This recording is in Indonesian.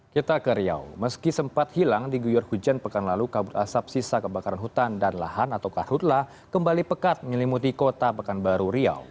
kita ke riau meski sempat hilang di guyur hujan pekan lalu kabut asap sisa kebakaran hutan dan lahan atau karhutlah kembali pekat menyelimuti kota pekanbaru riau